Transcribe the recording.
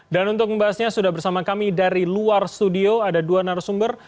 dan untuk membahasnya sudah bersama kami dari luar studio ada dua narasumber